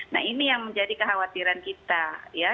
nah ini yang menjadi kekhawatiran kita ya